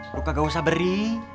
lo kagak usah beri